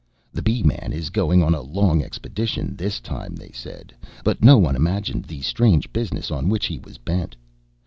"The Bee man is going on a long expedition this time," they said; but no one imagined the strange business on which he was bent.